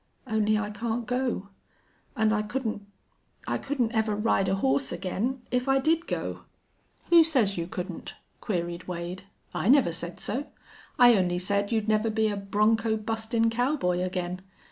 Only I can't go. And I couldn't I couldn't ever ride a horse again if I did go." "Who says you couldn't?" queried Wade. "I never said so. I only said you'd never be a bronco bustin' cowboy again.